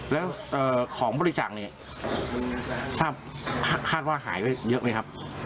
แล้วของบริจาคเนี่ยถ้าคาดว่าหายไปเยอะไหมครับ